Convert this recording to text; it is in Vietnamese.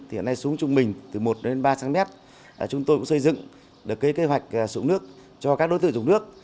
hiện nay xuống trung bình từ một đến ba trăm linh m chúng tôi cũng xây dựng kế hoạch sụn nước cho các đối tượng dùng nước